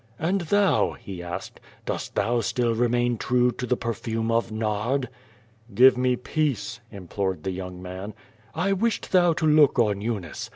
"And thou," he asked, "dost thou still remain true to tho perfume of nard?" Xfive me i)eace?" implored the young man. 1 wished thou to look on Eunice.